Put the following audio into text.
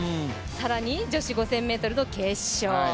女子５０００ｍの決勝。